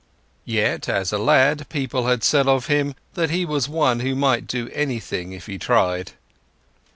Yet as a lad people had said of him that he was one who might do anything if he tried.